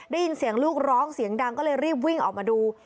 ได้ยินเสียงลูกร้องเสียงดังก็เลยรีบวิ่งออกมาดู